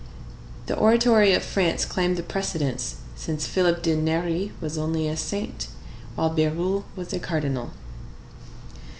The Oratory of France claimed the precedence, since Philip de Neri was only a saint, while Bérulle was a cardinal.